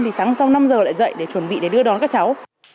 thì sáng sau năm giờ lại dạy để chuẩn bị để đưa đón các cháu